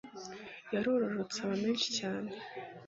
yarororotse aba menshi cyane